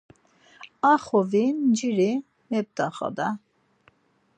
A xovi nciri mept̆axa da!